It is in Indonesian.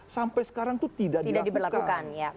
sampai sekarang itu tidak bisa dilakukan